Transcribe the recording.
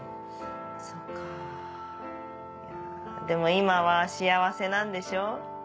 そっかでも今は幸せなんでしょ？